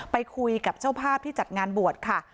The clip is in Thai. ไปคุยกับเจ้าภาพที่จัดงานบวชค่ะ